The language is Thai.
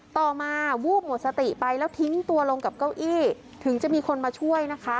ต่อมาวูบหมดสติไปแล้วทิ้งตัวลงกับเก้าอี้ถึงจะมีคนมาช่วยนะคะ